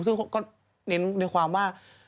ซึ่งก็เน้นของความว่า